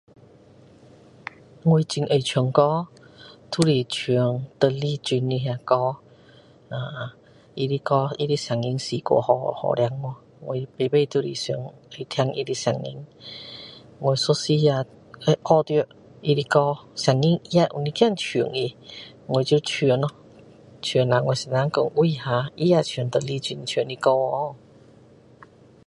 我很爱唱歌，都是唱邓丽君的那歌，她的歌她的声音是过好，好听【wu】，我每每都是去听她的声音，有一时啊学到她的歌，声音也有一点像她，我就唱咯，唱啦我先生讲：威下，她也唱邓丽君唱的歌哦！